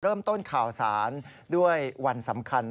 เริ่มต้นข่าวสารด้วยวันสำคัญ